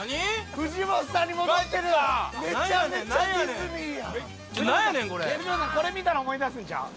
藤本さんこれ見たら思い出すんちゃう？